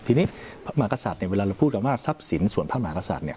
ทีนี้พระมหากษัตริย์เนี่ยเวลาเราพูดกันว่าทรัพย์สินส่วนพระมหากษัตริย์เนี่ย